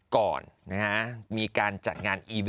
ก่อนมีการจัดงาน